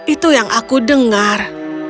itu yang aku dengar